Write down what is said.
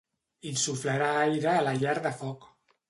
Insuflarà aire a la llar de foc.